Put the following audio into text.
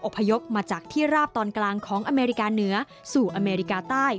พยพมาจากที่ราบตอนกลางของอเมริกาเหนือสู่อเมริกาใต้